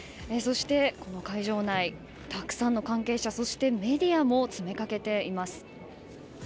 会場内、たくさんの関係者そしてメディアも詰めかけています。